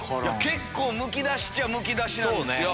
結構むき出しっちゃむき出しなんですよ。